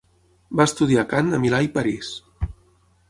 Va estudiar cant a Milà i París.